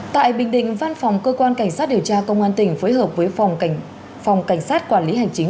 tại bình định văn phòng cơ quan cảnh sát điều tra công an tỉnh phối hợp với phòng cảnh sát quản lý hành chính